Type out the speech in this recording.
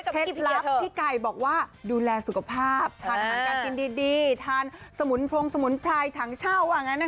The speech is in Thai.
เทศลับพี่ไก่บอกว่าดูแลสุขภาพทานการกินดีทานสมุนโพรงสมุนไพรถังเช่า